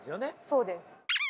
そうです。